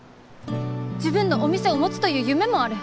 自分のお店を持つという夢もある。